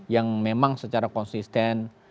yang memang secara konsisten